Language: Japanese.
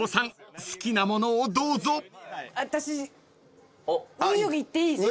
私ウユいっていいですか？